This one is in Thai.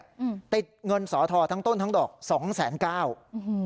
อืมติดเงินสอทอทั้งต้นทั้งดอกสองแสนเก้าอืม